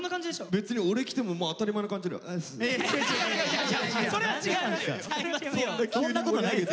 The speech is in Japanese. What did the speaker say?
別に俺来てもまあ当たり前の感じで「うっす」。